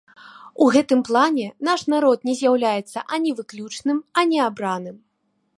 У гэтым плане наш народ не з'яўляецца ані выключным, ані абраным.